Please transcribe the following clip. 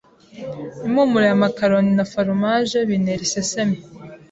Impumuro ya macaroni na foromaje bintera isesemi.